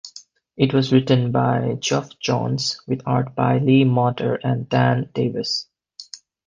It was written by Geoff Johns, with art by Lee Moder and Dan Davis.